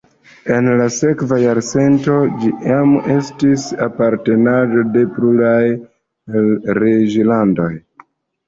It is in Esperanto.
En la sekva jarcento ĝi jam estis apartenaĵo de pluraj reĝlandoj.